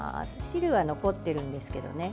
汁は残っているんですけどね。